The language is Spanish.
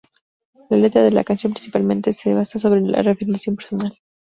La letra de la canción principalmente se basa sobre la reafirmación personal.